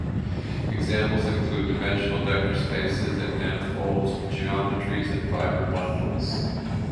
Examples include -dimensional vector spaces and manifolds, geometries and fibre bundles.